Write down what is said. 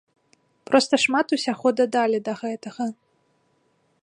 Проста шмат усяго дадалі да гэтага.